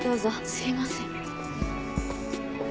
すいません。